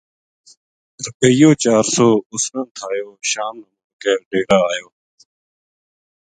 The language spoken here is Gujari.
؎رُپیو چار سو اس نا تھایو شام نا مُڑ کے ڈیرے آ یو